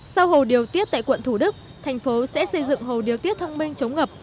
sau hồ điều tiết tại quận thủ đức thành phố sẽ xây dựng hồ điều tiết thông minh chống ngập